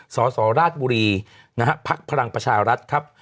สสราชบุรีนะฮักษ์ภรรังประชารัฐครับ